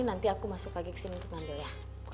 nanti aku masuk lagi ke sini untuk ngambil ya